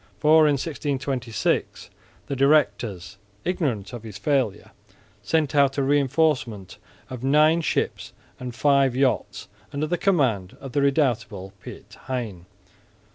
For in 1626 the directors, ignorant of his failure, sent out a reinforcement of nine ships and five yachts under the command of the redoubtable Piet Hein.